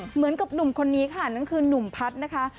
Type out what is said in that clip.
เหมือนกับหนุ่มคนนี้ค่ะนั่นคือหนุ่มพัฒน์นะคะ